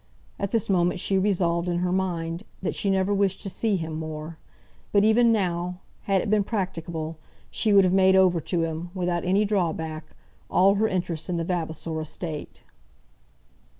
At this moment she resolved, in her mind, that she never wished to see him more; but even now, had it been practicable, she would have made over to him, without any drawback, all her interest in the Vavasor estate.